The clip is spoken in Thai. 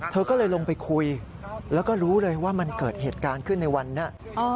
เธอก็เลยลงไปคุยแล้วก็รู้เลยว่ามันเกิดเหตุการณ์ขึ้นในวันนี้